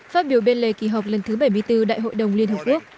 phát biểu bên lề kỳ họp lần thứ bảy mươi bốn đại hội đồng liên hợp quốc